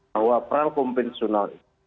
bahwa perang konvensional